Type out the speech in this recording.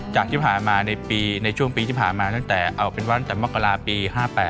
จากที่ผ่านมาในช่วงปีที่ผ่านมาตั้งแต่เอาเป็นว่าตั้งแต่มกราปี๕๘